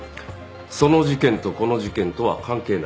その事件とこの事件とは関係ない。